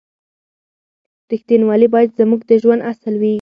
رښتینولي باید زموږ د ژوند اصل وي.